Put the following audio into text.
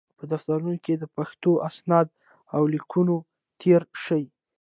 په دفترونو کې دې پښتو اسناد او لیکونه تېر شي.